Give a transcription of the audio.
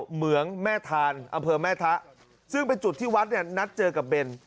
เหมืองแม่ทานอำเภอแม่ทะชูมันจุดที่วัดแกนัดเจอกับเบน